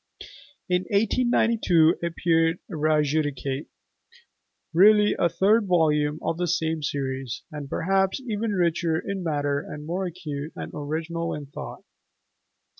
In 1892 appeared "Res Judicatæ", really a third volume of the same series, and perhaps even richer in matter and more acute and original in thought.